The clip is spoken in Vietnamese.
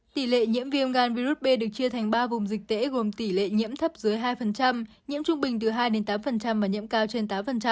tỷ lệ nhiễm viêm gan virus b được chia thành ba vùng dịch tễ gồm tỷ lệ nhiễm thấp dưới hai nhiễm trung bình từ hai tám và nhiễm cao trên tám